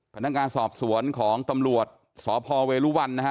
พนักงานสอบสวนของตำรวจสพเวรุวันนะฮะ